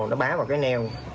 nó bá vào cái neo